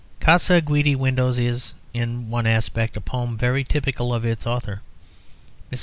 "Casa Guidi Windows" is, in one aspect, a poem very typical of its author. Mrs.